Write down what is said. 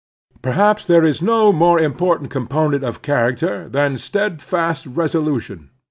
Perhaps there is no more important component of character than steadfast resolution.